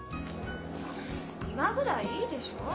今ぐらいいいでしょう？